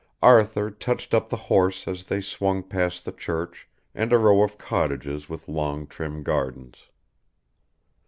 Arthur touched up the horse as they swung past the church and a row of cottages with long trim gardens.